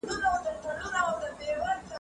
مسافر ليونى